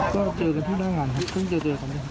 เจอกันทุกได้ร่างาญภัทรเจอทั้งนี้